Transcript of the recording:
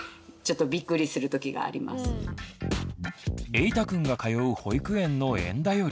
えいたくんが通う保育園の「園だより」。